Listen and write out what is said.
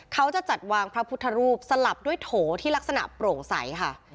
เขาจะจัดวางพระพุทธรูปสลับด้วยโถที่ลักษณะโปร่งใสค่ะ